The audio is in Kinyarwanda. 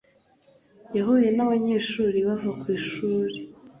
yahuye n’abanyeshuri bava ku ishuri